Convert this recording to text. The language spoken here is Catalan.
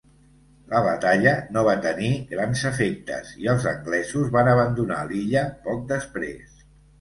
La batalla no va tenir grans efectes i els anglesos van abandonar l'illa poc després.